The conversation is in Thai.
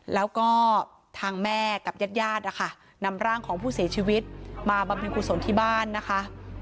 แล้วก็ทางแม่กับญาตินำร่างของผู้เสียชีวิตมาบรรพิกุศลที่บ้านนะคะ